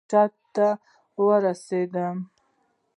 مشهد ته ورسېدم.